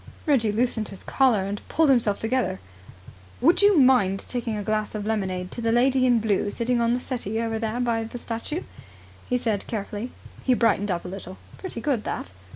Reggie loosened his collar, and pulled himself together. "Would you mind taking a glass of lemonade to the lady in blue sitting on the settee over there by the statue," he said carefully. He brightened up a little. "Pretty good that!